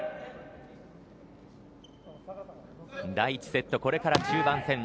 第１セット、これから中盤戦２